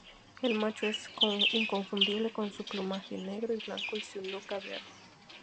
El macho es inconfundible con su plumaje negro y blanco y su nuca verde.